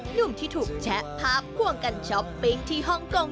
หนุ่มที่ถูกแชะภาพควงกันช้อปปิ้งที่ฮ่องกง